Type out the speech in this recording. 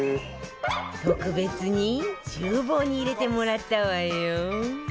特別に厨房に入れてもらったわよ